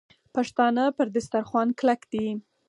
پښتانه پر دسترخوان کلک دي.